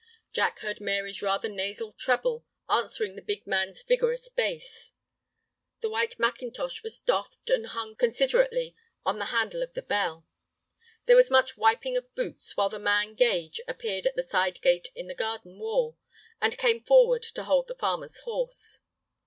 Jack heard Mary's rather nasal treble answering the big man's vigorous bass. The white mackintosh was doffed and hung considerately on the handle of the bell. There was much wiping of boots, while the man Gage appeared at the side gate in the garden wall, and came forward to hold the farmer's horse.